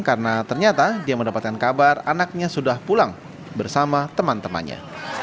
karena ternyata dia mendapatkan kabar anaknya sudah pulang bersama teman temannya